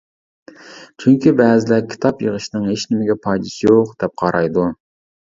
چۈنكى بەزىلەر «كىتاب يىغىشنىڭ ھېچنېمىگە پايدىسى يوق» دەپ قارايدۇ.